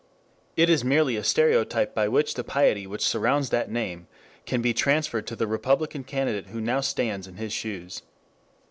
It is merely a stereotype by which the piety which surrounds that name can be transferred to the Republican candidate who now stands in his shoes.